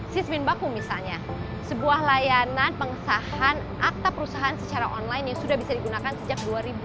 sismin baku misalnya sebuah layanan pengesahan akta perusahaan secara online yang sudah bisa digunakan sejak dua ribu dua